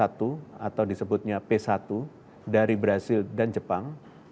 b satu dua delapan satu atau disebutnya p satu dari brazil dan jepang